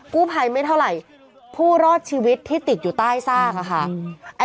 กู้ภัยไม่เท่าไหร่ผู้รอดชีวิตที่ติดอยู่ใต้ซากอะค่ะ